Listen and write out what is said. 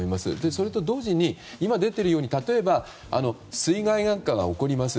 それと同時に今、出ているように例えば水害なんかが起こります。